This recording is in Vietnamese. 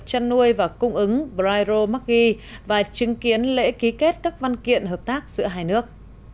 chăn nuôi và cung ứng brairo magi và chứng kiến lễ ký kết các văn kiện hợp tác giữa hai nước